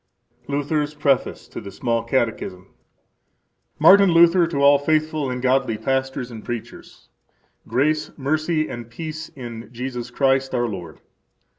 Luther's Preface to the Small Catechism Martin Luther, to All Faithful and Godly Pastors and Preachers: Grace, Mercy, and Peace in Jesus Christ, our Lord.